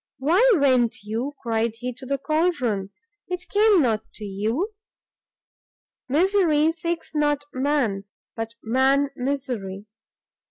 "Why went you," cried he, "to the cauldron? it came not to you. Misery seeks not man, but man misery.